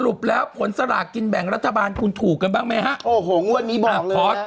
แล้วผลสลากกินแบ่งรัฐบาลคุณถูกกันบ้างไหมฮะโอ้โหงวดนี้บอกขอ